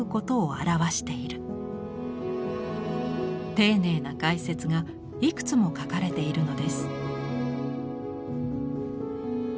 丁寧な解説がいくつも書かれているのです。